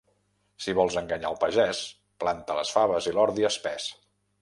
Si vols enganyar el pagès, planta les faves i l'ordi espès.